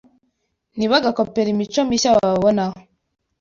ntibagakopere imico mishya bababonaho